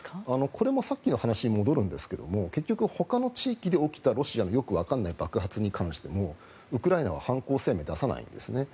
これもさっきの話に戻るんですけど結局ほかの地域で起きたロシアのよくわからない爆発に関してもウクライナは犯行声明を出さないんですね。